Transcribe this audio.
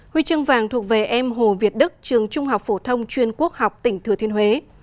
huy chương vàng thuộc về em hồ việt đức trường trung học phổ thông chuyên quốc học tỉnh thừa thiên huế